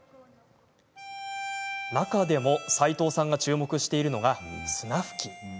中でも齋藤さんが注目しているのがスナフキン。